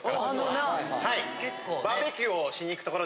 はい。